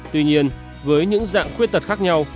tuy nhiên với những dạng khuyết tật khác nhau